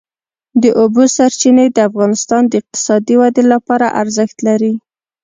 د اوبو سرچینې د افغانستان د اقتصادي ودې لپاره ارزښت لري.